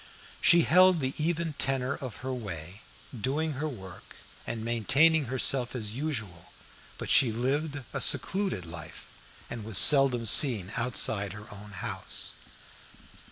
She held the even tenor of her way, doing her work and maintaining herself as usual, but she lived a secluded life, and was seldom seen outside her own house.